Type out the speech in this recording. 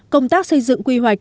công tác xây dựng quy hoạch